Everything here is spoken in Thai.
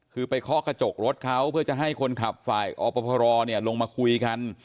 คือไปเคาะกระจกรถเขาเพื่อจะให้คนขับฝ่ายอพรลงมาคุยกัน